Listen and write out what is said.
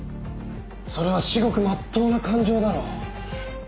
それは至極まっとうな感情だろう。